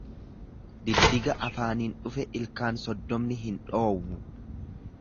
Diddiga afaaniin dhufe ilkaan soddomni hin dhoowwu.